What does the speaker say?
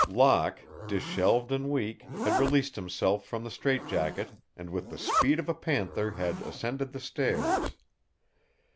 Locke, disheveled and weak, had released himself from the strait jacket, and with the speed of a panther had ascended the stairs.